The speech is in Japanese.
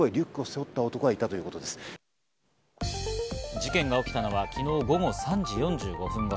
事件が起きたのは昨日午後３時４５分頃。